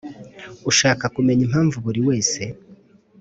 ushaka kumenya impamvu buriwese